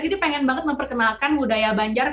jadi pengen banget memperkenalkan budaya banjar